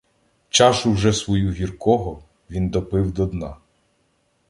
Чашу вже свою гіркого Він допив до дна.